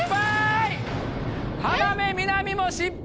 浜辺美波も失敗！